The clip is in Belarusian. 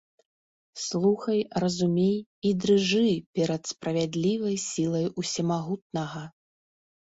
Слухай, разумей і дрыжы перад справядлівай сілай усемагутнага.